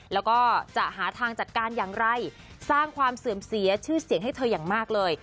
แล้วก็จะหาทางจัดการอย่างไรสร้างความเสื่อมเสียชื่อเสียงให้เธออย่างมากเลย